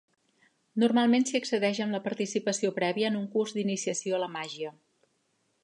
Normalment s'hi accedeix amb la participació prèvia en un curs d'iniciació a la màgia.